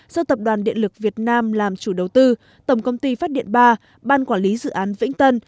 do tập đoàn điện lực việt nam làm chủ đầu tư tổng công ty phát điện ba ban quản lý dự án vĩnh tân